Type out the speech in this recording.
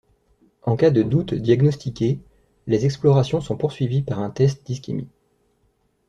En cas de doute diagnostiqué, les explorations sont poursuivies par un test d'ischémie.